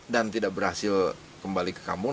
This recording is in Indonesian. dan tidak berhasil kembali ke kampung